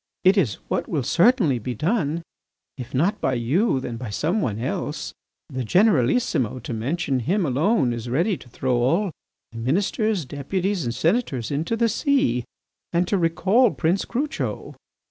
"It is what will certainly be done, if not by you, then by some one else. The Generalissimo, to mention him alone, is ready to throw all the ministers, deputies, and senators into the sea, and to recall Prince Crucho."